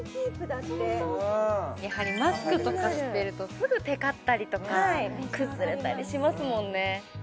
だってうんやはりマスクとかしてるとすぐテカったりとか崩れたりしますもんね